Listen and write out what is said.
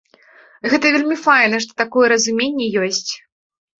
Гэта вельмі файна, што такое разуменне ёсць.